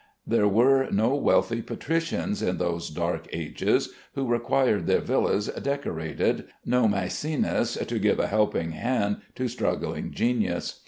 There were no wealthy patricians in those dark ages who required their villas decorated, no Mæcenas to give a helping hand to struggling genius.